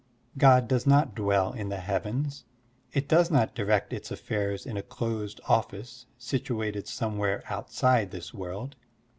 God does not dwell in the heavens. It does not direct its affairs in a closed office situated somewhere out side this world.